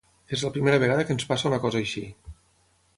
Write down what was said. És la primera vegada que ens passa una cosa així.